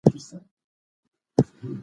په اسمان کې غبرګې څړیکې د غضب په څېر ښکاري.